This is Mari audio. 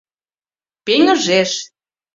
Пеҥыжеш